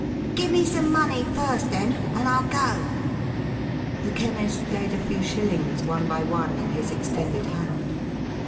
"Give me some money first then, and Fll go.1* The Chemist laid a few shillings, one by one, in his extended hand.